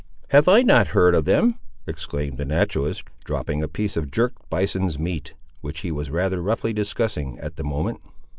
"Have I not heard of them?" exclaimed the naturalist, dropping a piece of jerked bison's meat, which he was rather roughly discussing, at the moment.